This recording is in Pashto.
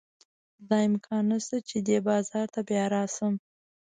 دا امکان نه شته چې دې بازار ته بیا راشم.